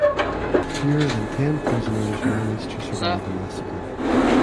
Fewer than ten prisoners managed to survive the massacre.